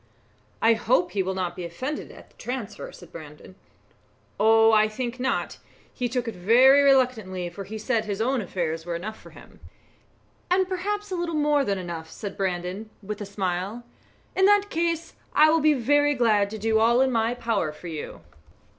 "I hope he will not be offended at the transfer," said Brandon. "Oh! I think not; he took it very reluctantly, for he said his own affairs were enough for him." "And perhaps a little more than enough," said Brandon, with a smile. "In that case I will be very glad to do all in my power for you."